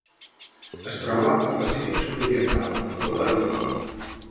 Es troba al Pacífic sud-oriental: el Perú.